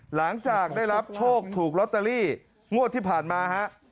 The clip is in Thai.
หลังจากได้รับโชคถูกลอตเตอรี่งวดที่ผ่านมาฮะ